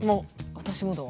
私もだわ。